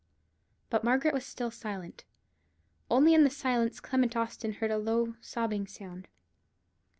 But Margaret was still silent, only in the silence Clement Austin heard a low, sobbing sound.